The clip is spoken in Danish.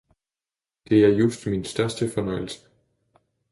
det er just min største fornøjelse!